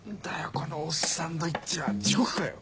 このオッサンドイッチは地獄かよ！